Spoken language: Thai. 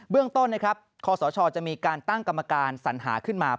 เบื้องต้นคสชจะมีการตั้งกรรมการสัญหาขึ้นมา